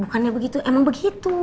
bukannya begitu emang begitu